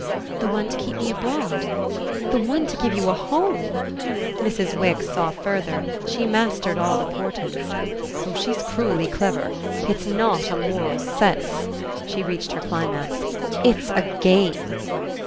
"The one to keep me abroad?" "The one to give you a home." Mrs. Wix saw further; she mastered all the portents. "Oh she's cruelly clever! It's not a moral sense." She reached her climax: "It's a game!"